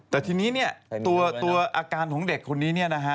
แต่ทีนี้เนี่ยตัวอาการของเด็กคนนี้เนี่ยนะฮะ